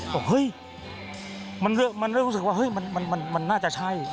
บอกเฮ้ยมันเริ่มรู้สึกว่าเฮ้ยมันน่าจะใช่